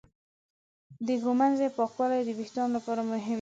د ږمنځې پاکوالی د وېښتانو لپاره مهم دی.